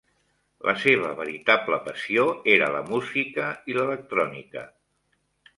La seva veritable passió era la música i l'electrònica.